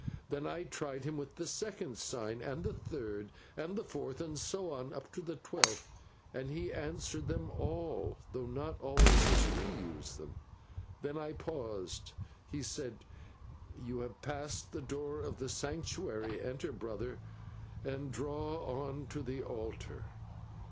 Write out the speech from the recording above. Then I tried him with the second sign, and the third, and the fourth, and so on up to the twelfth, and he answered them all, though not always as we use them. Then I paused, and he said: "'You have passed the door of the Sanctuary, enter, brother, and draw on to the Altar.'